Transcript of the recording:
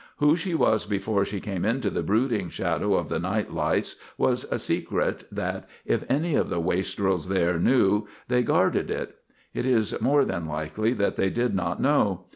Who she was before she came into the brooding shadow of the night lights was a secret that, if any of the wastrels there knew, they guarded. It is more than likely that they did not know.